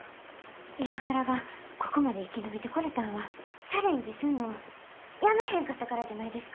ＩＷＡＫＵＲＡがここまで生き延びてこれたんはチャレンジすんのをやめへんかったからじゃないですか？